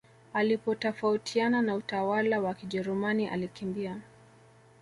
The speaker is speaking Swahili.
Alipotafautiana na utawala wa kijerumani alikimbia